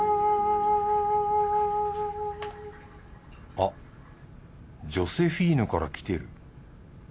あっジョセフィーヌから来てる。